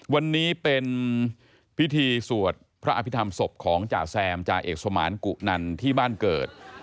วันนี้เป็นพิธีสวดพระอภิษฐรรมศพของจ่าแซมจ่าเอกสมานกุนันที่บ้านเกิด